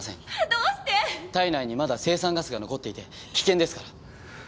体内にまだ青酸ガスが残っていて危険ですから。